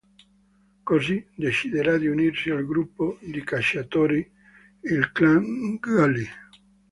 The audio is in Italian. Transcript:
Così, deciderà di unirsi al gruppo di cacciatori, il Clan Gully.